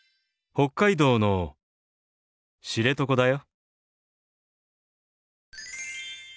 北海道の知床だよ。